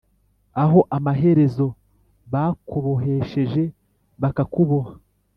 aho amaherezo bakubohesheje bakakuboha;